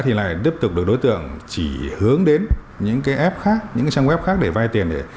thì lại tiếp tục được đối tượng chỉ hướng đến những trang web khác để vay tiền